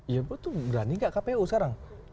ya betul berani enggak kpu sekarang